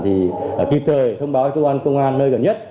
thì kịp thời thông báo cơ quan công an nơi gần nhất